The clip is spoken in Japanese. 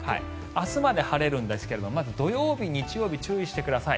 明日まで晴れるんですが土曜日日曜日注意してください。